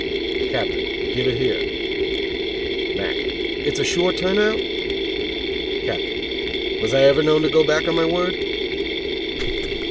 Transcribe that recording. Captain: Give it here. Mack: It's a sure turn out? Captain: Was I ever known to go back on my word?